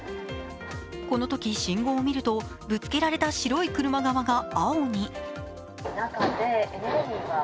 このとき信号を見るとぶつけられた白い車側が青に。